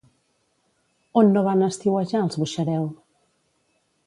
On no van estiuejar els Buxareu?